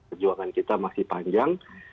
perjuangan kita masih panjang